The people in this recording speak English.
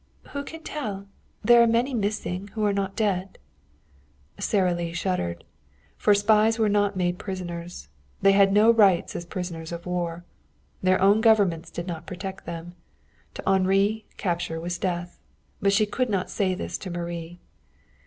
"Who can tell? There are many missing who are not dead." Sara Lee shuddered. For spies were not made prisoners. They had no rights as prisoners of war. Their own governments did not protect them. To Henri capture was death. But she could not say this to Marie.